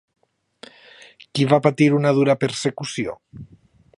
Qui va patir una dura persecució?